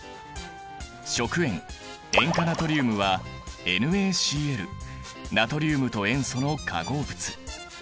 食塩塩化ナトリウムはＮａＣｌナトリウムと塩素の化合物。